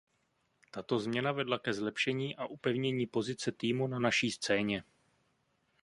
Tato změna vedla ke zlepšení a upevnění pozice týmu na naší scéně.